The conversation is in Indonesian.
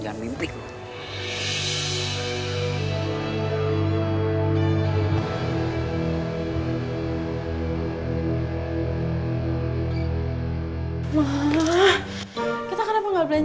gue akan buktiin kalau gue pantas jadi ketua geng serigala